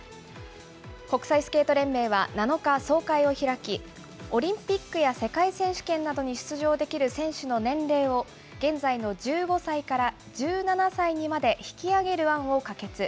国際スケート連盟は７日、総会を開き、オリンピックや世界選手権などに出場できる選手の年齢を、現在の１５歳から１７歳にまで引き上げる案を可決。